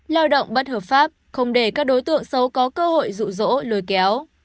lao động bất hợp pháp không để các đối tượng xấu có cơ hội rụ rỗ lôi kéo